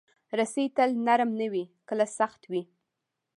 رسۍ تل نرم نه وي، کله سخت وي.